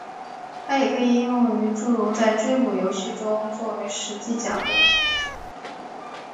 它也可以应用于诸如在追捕游戏中做为实际奖励。